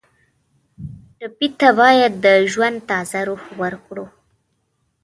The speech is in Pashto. ټپي ته باید د ژوند تازه روح ورکړو.